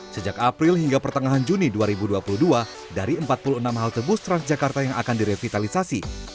sejak april hingga pertengahan juni dua ribu dua puluh dua dari empat puluh enam halte bus transjakarta yang akan direvitalisasi